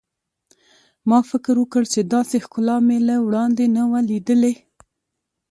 ما فکر وکړ چې داسې ښکلا مې له وړاندې نه وه لیدلې.